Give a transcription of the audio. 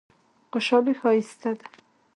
خوشحالي ښایسته دی.